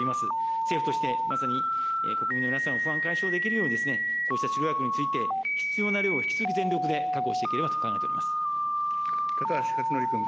政府としてまさに国民の皆様の不安解消できるように、こうした治療薬について、必要な量を引き続き全力で確保していければという高橋克法君。